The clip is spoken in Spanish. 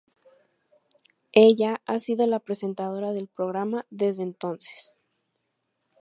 Ella ha sido la presentadora del programa desde entonces.